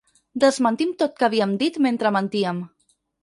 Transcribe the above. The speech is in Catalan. Desmentim tot que havíem dit mentre mentíem.